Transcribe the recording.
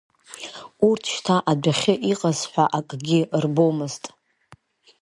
Урҭ шьҭа адәахьы иҟаз ҳәа акгьы рбо-мызт.